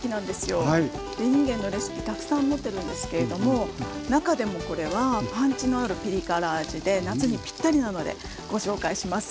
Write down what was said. でいんげんのレシピたくさん持ってるんですけれども中でもこれはパンチのあるピリ辛味で夏にピッタリなのでご紹介します。